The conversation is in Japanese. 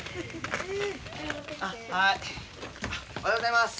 おはようございます。